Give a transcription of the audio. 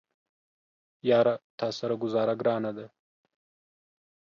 یاره تاسره ګوزاره ګرانه ده